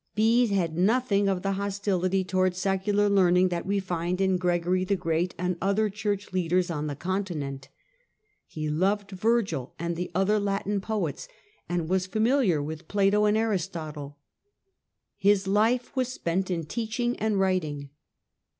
Bede had nothing of the hostility towards secular learning that we find in Gregory the Great and other Church leaders on the continent. He loved Virgil and the other Latin poets, and was familiar with Plato and Aristotle. His life was spent in teaching and writing.